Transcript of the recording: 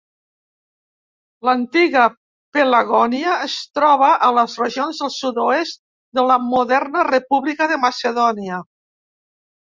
L'antiga Pelagònia es troba a les regions del sud-oest de la moderna República de Macedònia.